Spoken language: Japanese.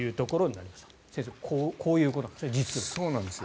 先生、こういうことなんですね。